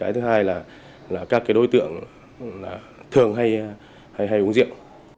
cái thứ hai là các đối tượng thường hay uống rượu